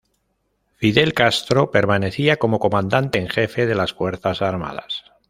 Fidel Castro permanecía como comandante en jefe de las Fuerzas Armadas.